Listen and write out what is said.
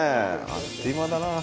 あっという間だなあ。